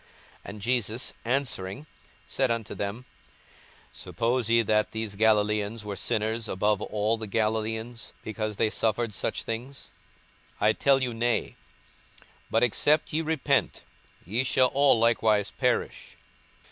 42:013:002 And Jesus answering said unto them, Suppose ye that these Galilaeans were sinners above all the Galilaeans, because they suffered such things? 42:013:003 I tell you, Nay: but, except ye repent, ye shall all likewise perish.